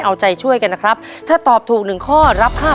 เอาใจช่วยกันนะครับถ้าตอบถูกหนึ่งข้อรับ๕๐๐